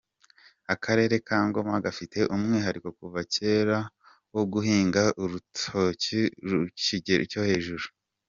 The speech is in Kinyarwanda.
Akarere ka Ngoma gafite umwihariko kuva kera wo guhinga urutoki ku gigero cyo hejuru.